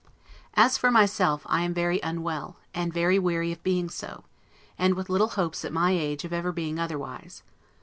As for myself, I am very UNWELL, and very weary of being so; and with little hopes, at my age, of ever being otherwise.